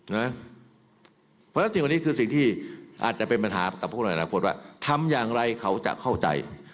เพราะฉะนั้นสิ่งวันนี้คือสิ่งที่อาจจะเป็นปัญหากับพวกในอนาคตว่าทำอย่างไรเขาจะเข้าใจ